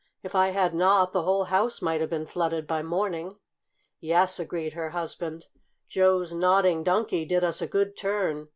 "If I had not, the whole house might have been flooded by morning." "Yes," agreed her husband. "Joe's Nodding Donkey did us a good turn.